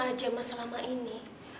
kemana aja mas selama ini